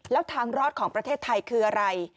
แล้วทางรอดของประเทศไทยคืออะไร